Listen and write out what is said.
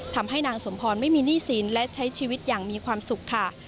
ทำให้นางสมพรไม่มีหนี้สินและใช้ชีวิตอย่างมีความสุขค่ะ